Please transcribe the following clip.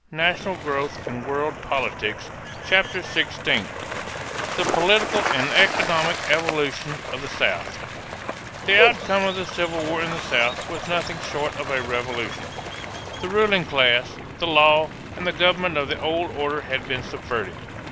NATIONAL GROWTH AND WORLD POLITICS CHAPTER XVI THE POLITICAL AND ECONOMIC EVOLUTION OF THE SOUTH The outcome of the Civil War in the South was nothing short of a revolution. The ruling class, the law, and the government of the old order had been subverted.